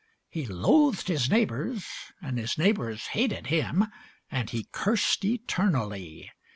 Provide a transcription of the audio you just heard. He loathed his neighbours, and his neighbours hated him, And he cursed eternally.